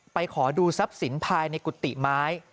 ไปขอดูทรัพย์ศีลภายในกุฏติไม้